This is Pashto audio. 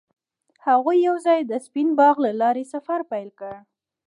هغوی یوځای د سپین باغ له لارې سفر پیل کړ.